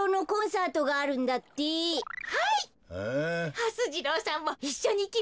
はす次郎さんもいっしょにいきましょう。